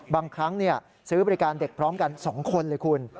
บางครั้งซื้อบริการเด็กพร้อมกัน๒คนเลยคุณ